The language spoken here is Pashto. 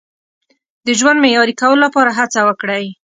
د ژوند معیاري کولو لپاره هڅه وکړئ.